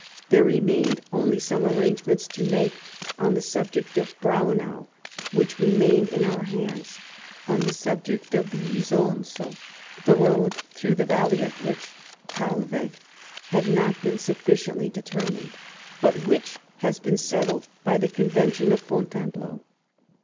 There remained only some arrangements to make on the subject of Braunau, which remained in our hands ; on the subject of the Isonzo, the road through the valley of which (Thalweg) had not been sufficiently determined, but which has been settled by the convention of Fontainebleau.